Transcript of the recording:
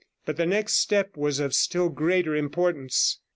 But the next step was of still greater importance.